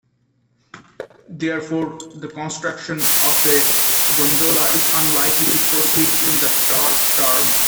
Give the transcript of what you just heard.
Therefore, the construction of a gondola is unlikely to proceed in the short term.